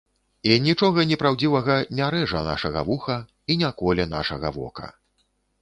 І нічога непраўдзівага не рэжа нашага вуха і не коле нашага вока.